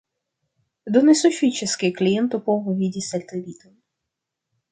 Do ne sufiĉas, ke kliento povu vidi sateliton.